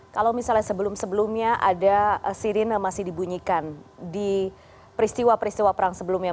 kalau misalnya sebelum sebelumnya ada sirine masih dibunyikan di peristiwa peristiwa perang sebelumnya